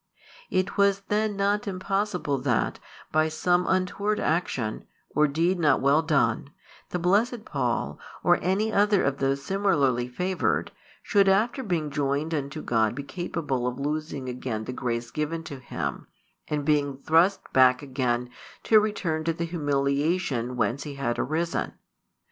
It was then not impossible that, by some untoward action, or deed not well done, the blessed Paul, or any other of those similarly favoured, should after being joined unto God be capable of losing again the grace given to him, and being thrust back again to return to the humiliation whence he had arisen.